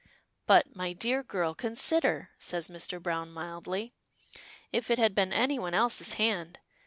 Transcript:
"But, my dear girl, consider," says Mr. Browne, mildly. "If it had been anyone else's hand!